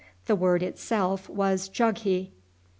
The word itself was Jughi.